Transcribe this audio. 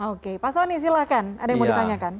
oke pak soni silahkan ada yang mau ditanyakan